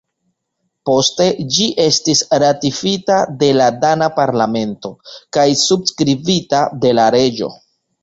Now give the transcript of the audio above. Poste ĝi estis ratifita de la dana parlamento kaj subskribita de la reĝo.